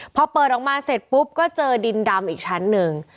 พอเปิดออกมาเสร็จปุ๊บก็เจอดินดำอีกชั้นหนึ่ง